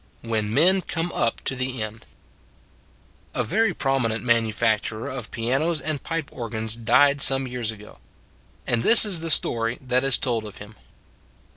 WHEN MEN COME UP TO THE END A VERY prominent manufacturer of pianos and pipe organs died some years ago. And this is the story that is told of him.